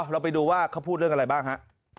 เราไปดูว่าเขาพูดเรื่องอะไรบ้างฮะ